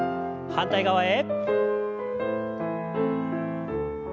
反対側へ。